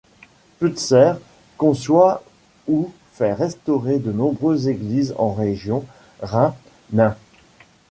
Pützer conçoit ou fait restaurer de nombreuses églises en Région Rhin-Main.